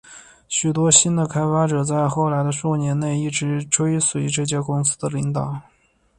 许多新的开发者在后来的数年内一直追随这家公司的领导。